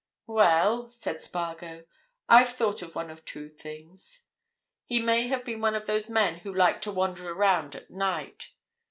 "Well," said Spargo, "I've thought of one or two things. He may have been one of those men who like to wander around at night.